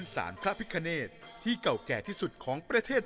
สวัสดีครับทุกคน